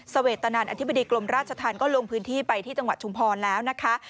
เวตนันอธิบดีกรมราชธรรมก็ลงพื้นที่ไปที่จังหวัดชุมพรแล้วนะคะ